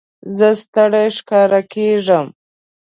زه ستړی ښکاره کېږم.